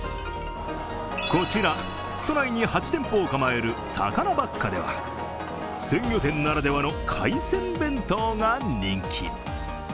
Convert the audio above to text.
こちら、都内に８店舗を構えるｓａｋａｎａｂａｃｃａでは鮮魚店ならではの海鮮弁当が人気。